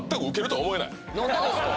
何でですか？